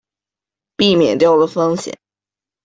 避免掉了风险